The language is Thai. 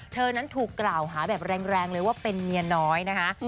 เธอนั้นถูกกล่าวหาแบบแรงเลยว่าเป็นเมียน้อยนะคะ